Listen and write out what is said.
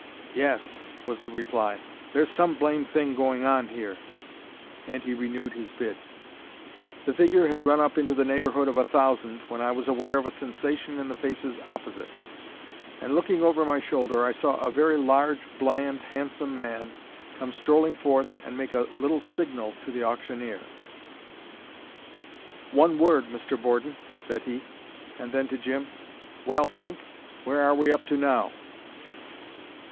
"Yes," was the reply, "there's some blame' thing going on here." And he renewed his bid. The figure had run up into the neighbourhood of a thousand when I was aware of a sensation in the faces opposite, and looking over my shoulder, saw a very large, bland, handsome man come strolling forth and make a little signal to the auctioneer. "One word, Mr. Borden," said he; and then to Jim, "Well, Pink, where are we up to now?"